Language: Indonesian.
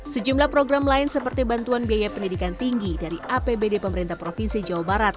sejumlah program lain seperti bantuan biaya pendidikan tinggi dari apbd pemerintah provinsi jawa barat